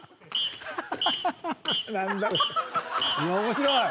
面白い！